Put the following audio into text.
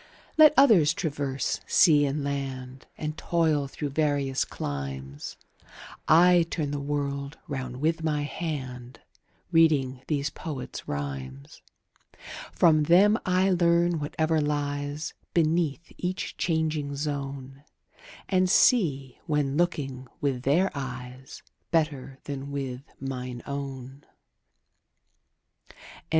Let others traverse sea and land, And toil through various climes, 30 I turn the world round with my hand Reading these poets' rhymes. From them I learn whatever lies Beneath each changing zone, And see, when looking with their eyes, 35 Better than with mine own. H. W.